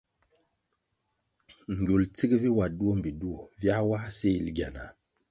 Gywul tsig vi wa duo mbpi duo, viā wā sil gyanah,